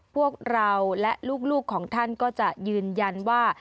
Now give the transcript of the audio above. พวกเราและลูกของท่านก็จะยืนยันว่า